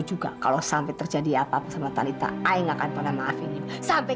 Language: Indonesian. juga kalau sampai terjadi apa apa sama tali tak akan pernah maafin sampai